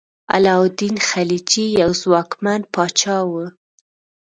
علاء الدین خلجي یو ځواکمن پاچا و.